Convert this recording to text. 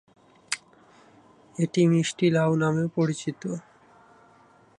এটি মিষ্টি লাউ নামেও পরিচিত।